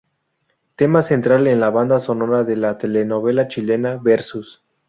Tema central en la banda sonora de la telenovela chilena "Versus".